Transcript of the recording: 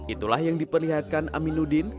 itulah yang diperlihatkan aminuddin